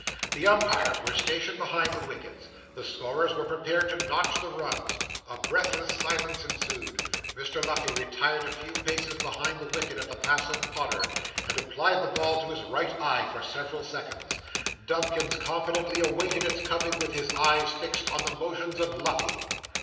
The umpires were stationed behind the wickets; the scorers were prepared to notch the runs; a breathless silence ensued. Mr. Luffey retired a few paces behind the wicket of the passive Podder, and applied the ball to his right eye for several seconds. Dumkins confidently awaited its coming with his eyes fixed on the motions of Luffey.